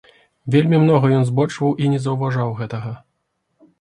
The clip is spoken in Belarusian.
Вельмі многа ён збочваў і не заўважаў гэтага.